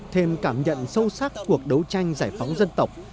thêm cảm nhận sâu sắc cuộc đấu tranh giải phóng dân tộc